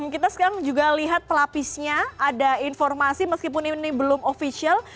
kita sekarang juga lihat pelapisnya ada informasi meskipun ini belum official